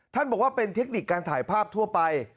บอกว่าเป็นเทคนิคการถ่ายภาพทั่วไป